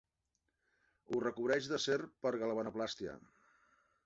Ho recobreixi d'acer per galvanoplàstia.